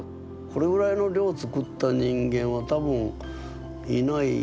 これぐらいの量作った人間は多分いない。